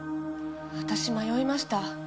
私迷いました。